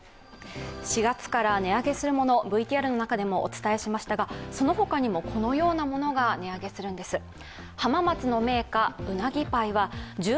４月から値上げするものＶＴＲの中でもお伝えしましたがその他にもこのようなものが値上げするんです。